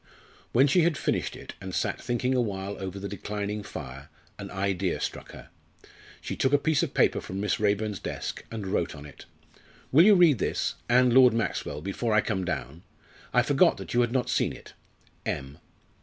When she had finished it and had sat thinking awhile over the declining fire, an idea struck her. She took a piece of paper from Miss Raeburn's desk, and wrote on it: "Will you read this and Lord Maxwell before I come down? I forgot that you had not seen it. M."